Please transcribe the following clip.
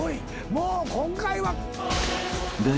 もう今回は。